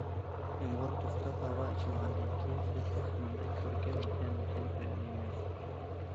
يامغۇر توختاپ، ھاۋا ئېچىلغاندىن كېيىن، بىز ئاسماندا كۆركەم ھەسەن- ھۈسەن كۆرەلەيمىز.